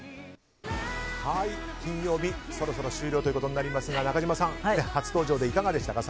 金曜日そろそろ終了となりますが中島さん、初登場でいかがでしたか？